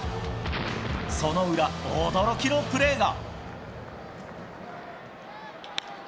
その裏、驚きのプレーが。